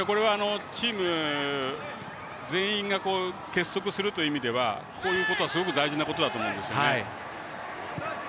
チーム全員が結束するという意味ではこういうことはすごく大事なことだと思うんです。